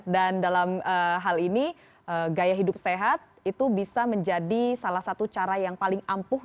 dan dalam hal ini gaya hidup sehat itu bisa menjadi salah satu cara yang paling ampuh